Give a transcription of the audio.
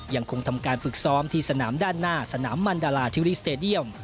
ยังคงทำการฝึกซ้อมที่สนามด้านหน้าสนามมันดาราทิวรีสเตดียม